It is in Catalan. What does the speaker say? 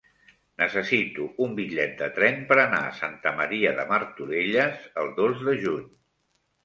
Necessito un bitllet de tren per anar a Santa Maria de Martorelles el dos de juny.